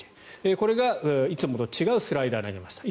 これが、いつもと違うスライダーを投げました。